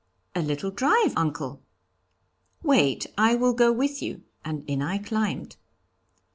'A little drive, uncle.' 'Wait, I will go with you,' and in I climbed.